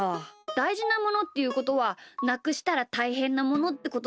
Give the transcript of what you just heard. だいじなものっていうことはなくしたらたいへんなものってことだよな。